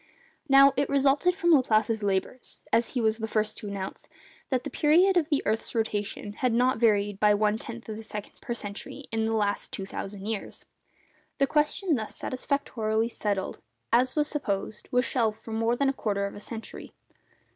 Now it resulted from Laplace's labours—as he was the first to announce—that the period of the earth's rotation has not varied by one tenth of a second per century in the last two thousand years. The question thus satisfactorily settled, as was supposed, was shelved for more than a quarter of a century.